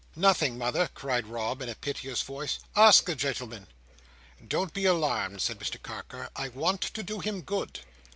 "Nothing, mother," cried Rob, in a piteous voice, "ask the gentleman!" "Don't be alarmed," said Mr Carker, "I want to do him good."